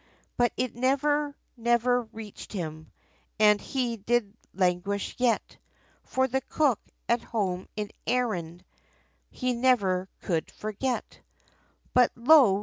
But it never, never reached him, And he did languish yet, For the Cook, at home in Erin He never could forget. But lo!